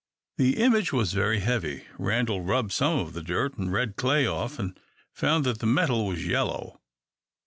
The image was very heavy. Randal rubbed some of the dirt and red clay off, and found that the metal was yellow.